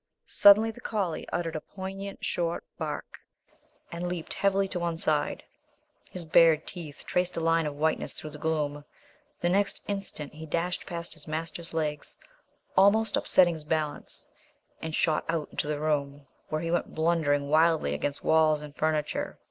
Suddenly the collie uttered a poignant short bark and leaped heavily to one side. His bared teeth traced a line of whiteness through the gloom. The next instant he dashed past his master's legs, almost upsetting his balance, and shot out into the room, where he went blundering wildly against walls and furniture.